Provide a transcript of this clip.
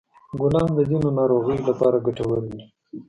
ګلان د ځینو ناروغیو لپاره ګټور دي.